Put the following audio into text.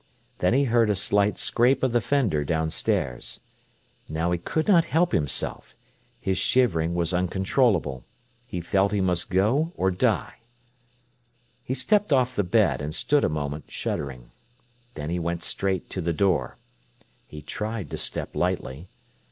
Then he heard a slight scrape of the fender downstairs. Now he could not help himself. His shivering was uncontrollable. He felt he must go or die. He stepped off the bed, and stood a moment, shuddering. Then he went straight to the door. He tried to step lightly.